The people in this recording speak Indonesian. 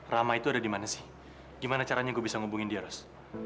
rama itu ada di mana sih gimana caranya gue bisa ngubungin dia ros